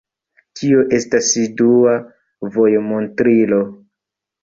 Tio estas dua vojmontrilo.